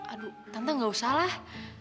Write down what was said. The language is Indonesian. aduh tante gak usah lah